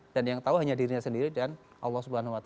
dan yang tahu hanya dirinya sendiri dan allah swt